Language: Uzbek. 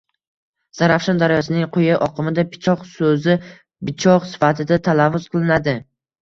Zarafshon daryosining quyi oqimida pichoq so‘zi bichoq sifatida talaffuz qilinadi.